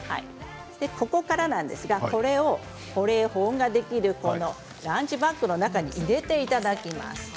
ここからなんですがこれを保冷保温ができるこのランチバッグの中に入れていただきます。